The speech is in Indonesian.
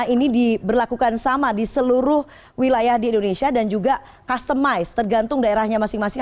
ini diberlakukan sama di seluruh wilayah di indonesia dan juga customize tergantung daerahnya masing masing